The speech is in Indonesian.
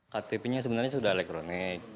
ktp nya sebenarnya sudah elektronik